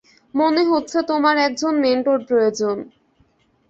মনে হচ্ছে তোমার একজন মেন্টর প্রয়োজন।